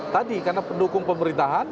tadi karena pendukung pemerintahan